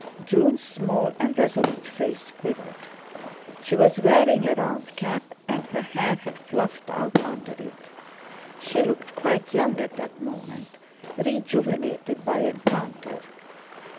June's small and resolute face quivered. She was wearing a round cap, and her hair had fluffed out under it. She looked quite young at that moment, rejuvenated by encounter.